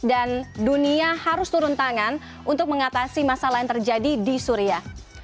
dan dunia harus turun tangan untuk mengatasi masalah yang terjadi di syria